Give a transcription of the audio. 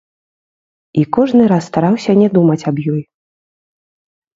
І кожны раз стараўся не думаць аб ёй.